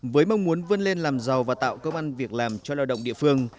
với mong muốn vươn lên làm giàu và tạo công an việc làm cho lao động địa phương